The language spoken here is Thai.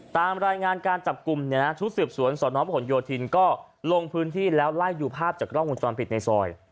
ตามรายงานการจับกลุ่มชุดสืบสวนสนพโยธินก็ลงพื้นที่แล้วไล่อยู่ภาพจากกล้องคุณจรปิดในซอย